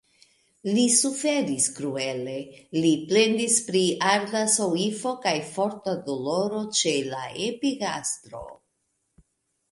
Li suferis kruele; li plendis pri arda soifo kaj forta doloro ĉe la epigastro.